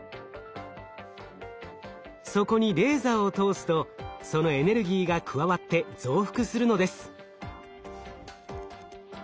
そこにレーザーを通すとそのエネルギーが加わって増幅するのです。